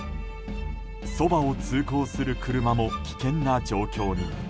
そばを通行する車も危険な状況に。